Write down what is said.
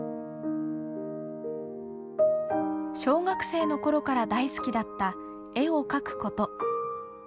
小学生の頃から大好きだった絵を描くこと。